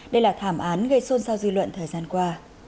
đây là thảm án gây xôn xao dư luận thời gian qua